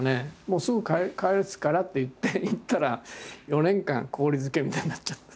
「もうすぐ帰すから」って言って行ったら４年間氷漬けみたいになっちゃった。